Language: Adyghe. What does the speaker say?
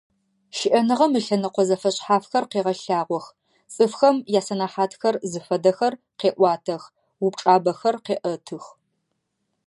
ЩыӀэныгъэм ылъэныкъо зэфэшъхьафхэр къегъэлъагъох, цӀыфхэм ясэнэхьатхэр зыфэдэхэр къеӀуатэх, упчӀабэхэр къеӀэтых.